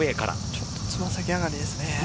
ちょっと爪先上がりですね。